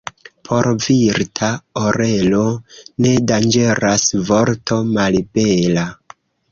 Por virta orelo ne danĝeras vorto malbela.